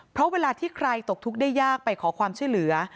เพราะเวลาที่ใครตกทุกข์ได้ยากไปขอความช่วยเหลือ